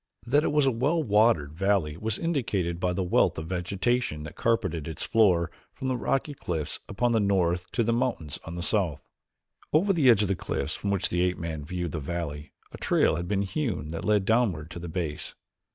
That it was a well watered valley was indicated by the wealth of vegetation that carpeted its floor from the rocky cliffs upon the north to the mountains on the south. Over the edge of the cliffs from which the ape man viewed the valley a trail had been hewn that led downward to the base.